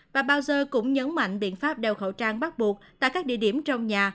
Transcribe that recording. và brasser cũng nhấn mạnh biện pháp đeo khẩu trang bắt buộc tại các địa điểm trong nhà